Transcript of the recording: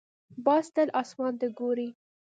باز تل اسمان ته ګوري